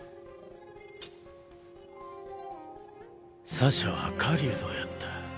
サシャは狩人やった。